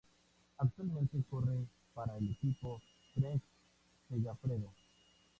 Actualmente corre para el equipo Trek-Segafredo.